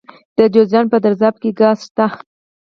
د جوزجان په درزاب کې ګاز شته.